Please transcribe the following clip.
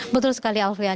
betul sekali alfian